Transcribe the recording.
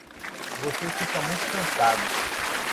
Você fica muito cansado!